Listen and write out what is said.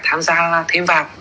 tham gia thêm vào